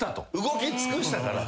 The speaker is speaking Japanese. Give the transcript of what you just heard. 動き尽くしたから。